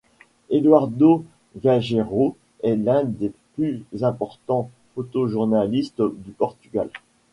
Eduardo Gageiro est l'un des plus importants photojournalistes du Portugal.